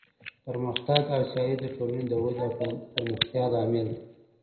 پرمختګ او سیالي د ټولنې د ودې او پرمختیا لامل دی.